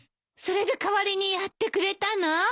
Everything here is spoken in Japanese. それで代わりにやってくれたの？